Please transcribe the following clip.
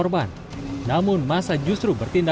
datang tempuk di sini